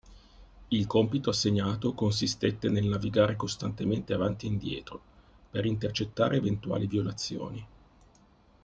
Il compito assegnato consistette nel navigare costantemente avanti e indietro per intercettare eventuali violazioni.